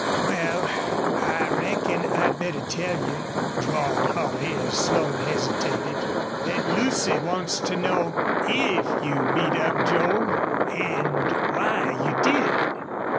"Wal, I reckon I'd better tell you," drawled Holley, as Slone hesitated, "thet Lucy wants to know IF you beat up Joel an' WHY you did."